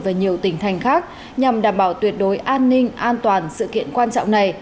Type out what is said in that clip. và nhiều tỉnh thành khác nhằm đảm bảo tuyệt đối an ninh an toàn sự kiện quan trọng này